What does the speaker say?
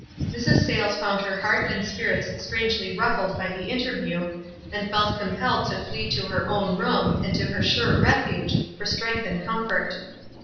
Mrs. Sayles found her heart and spirits 6traugely ruffled by the interview, and felt com pelled to flee to her own room, and to her sure Refuge, for strength and comfort.